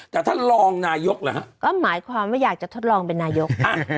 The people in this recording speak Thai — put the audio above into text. แต่ท่านรองนายกเหรอฮะก็หมายความว่าอยากจะทดลองเป็นนายก